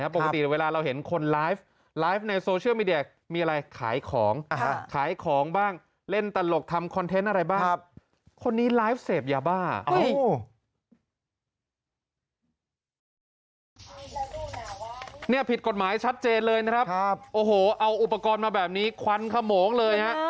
พิษกฎหมายชัดเจนเลยนะครับเอาอุปกรณ์มาแบบนี้ควันขมองเลย